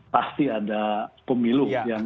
pasti ada pemilu yang